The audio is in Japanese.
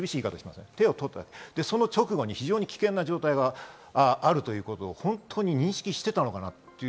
その直後に危険な状態があるということを本当に認識していたのか。